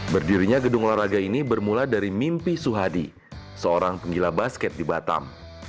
berdirinya gedung olahraga ini bermula dari mimpi suhadi seorang penggila basket di batam